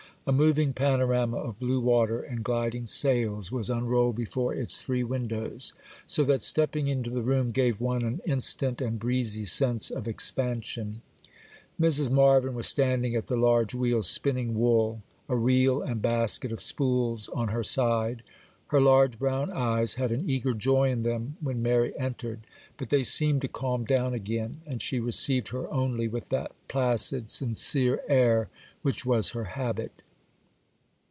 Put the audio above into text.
A moving panorama of blue water and gliding sails was unrolled before its three windows, so that stepping into the room gave one an instant and breezy sense of expansion. Mrs. Marvyn was standing at the large wheel, spinning wool,—a reel and basket of spools on her side. Her large brown eyes had an eager joy in them when Mary entered; but they seemed to calm down again, and she received her only with that placid, sincere air which was her habit.